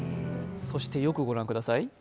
そしてよくご覧ください。